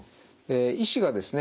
医師がですね